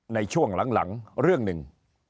ในช่วงหลังเรื่องหนึ่ง